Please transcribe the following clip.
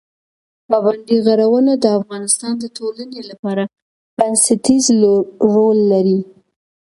پابندي غرونه د افغانستان د ټولنې لپاره بنسټیز رول لري.